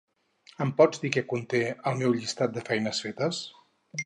Em pots dir què conté el meu llistat de feines fetes?